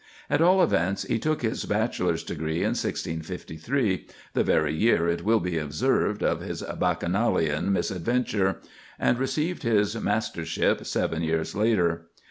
At all events, he took his bachelor's degree, in 1653—the very year, it will be observed, of his bacchanalian misadventure,—and received his mastership seven years later.